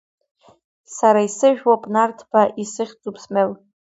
Сара исыжәлоуп Нарҭба, исыхьӡуп Смел…